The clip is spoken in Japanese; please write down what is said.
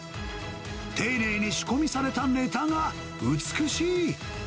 丁寧に仕込みされたネタが美しい。